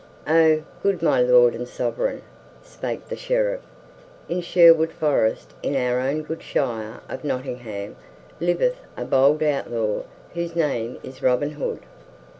"O good my Lord and Sovereign," spake the Sheriff, "in Sherwood Forest in our own good shire of Nottingham, liveth a bold outlaw whose name is Robin Hood."